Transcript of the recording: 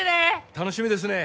楽しみですね・